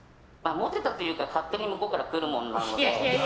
モテたというか勝手に向こうから来るもんなので。